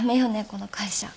この会社。